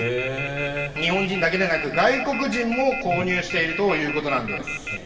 日本人だけでなく、外国人も購入しているということなんです。